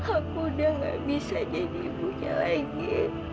aku udah gak bisa jadi ibunya lagi